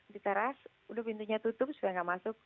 diteras udah pintunya tutup supaya nggak masuk